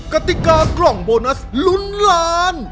กติกากล่องโบนัสลุ้นล้าน